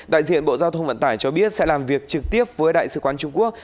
đại diện bộ giao thông vận tải cho biết sẽ làm việc trực tiếp với đại sứ quán trung quốc